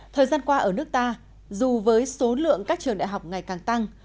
thời gian qua ở nước ta dù với số lượng các trường đại học ngày càng tăng